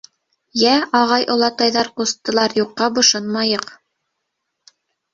— Йә, ағай, олатайҙар, ҡустылар, юҡҡа бошонмайыҡ.